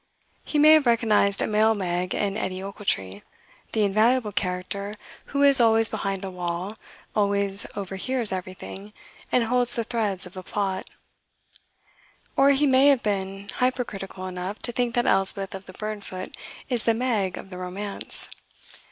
He may have recognized a male Meg in Edie Ochiltree, the invaluable character who is always behind a wall, always overhears everything, and holds the threads of the plot. Or he may have been hypercritical enough to think that Elspeth of the Burnfoot is the Meg of the romance.